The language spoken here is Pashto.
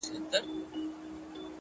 هغې ويل ه نور دي هيڅ په کار نه لرم؛